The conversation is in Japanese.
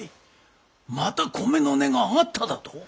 また米の値が上がっただと？